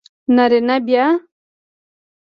نارینه بیا